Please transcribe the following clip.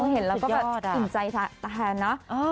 เห็นแล้วก็แบบอิ่มใจแทนเนอะ